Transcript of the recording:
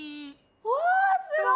おすごい！